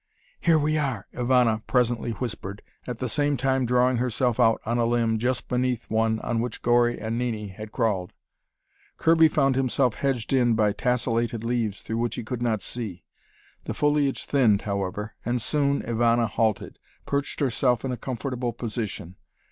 "Here we are," Ivana presently whispered, at the same time drawing herself out on a limb just beneath one on which Gori and Nini had crawled. Kirby found himself hedged in by tasselated leaves through which he could not see. The foliage thinned, however, and soon Ivana halted, perched herself in a comfortable position.